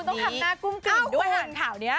ทำไมคุณต้องทำหน้ากุ้งกึ่งดูเอ้าไปหันข่าวเนี่ย